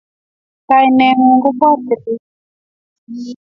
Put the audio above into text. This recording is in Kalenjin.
kanenyun ko patrick ko ni inye